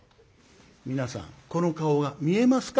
皆さんこの顔が見えますか？